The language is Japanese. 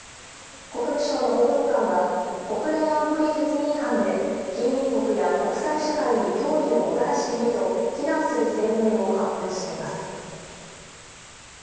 国務省の報道官は国連安保理決議違反で近隣国や国際社会に脅威をもたらしていると非難する声明を発表しています。